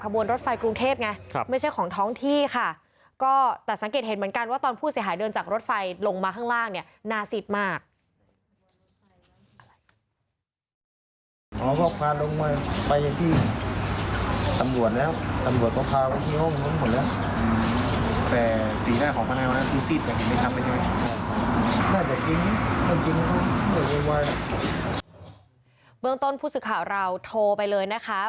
เบื้องต้นผู้สื่อข่าวเราโทรไปเลยนะคะ